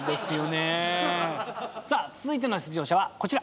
続いての出場者はこちら。